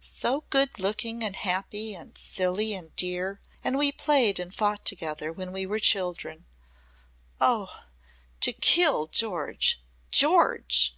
So good looking and happy and silly and dear! And we played and fought together when we were children. Oh! To kill George George!"